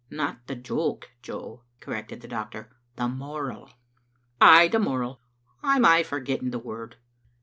" Not the joke, Jo," corrected the doctor, " the moral." "Ay, the moral; I'm aye forgetting the word."